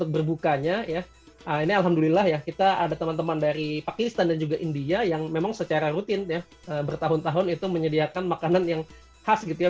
tapi memang di apa masih taipei sendiri ya kita kalau untuk berbukanya ya ini alhamdulillah ya kita ada teman teman dari pakistan dan juga india yang memang secara rutin ya bertahun tahun itu menyediakan makanan yang khas gitu ya